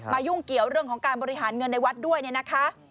ยุ่งเกี่ยวเรื่องของการบริหารเงินในวัดด้วยเนี่ยนะคะ